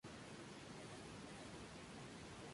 El color de este desierto es de un color rojo ladrillo.